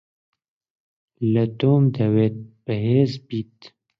لە تۆم دەوێت بەهێز بیت.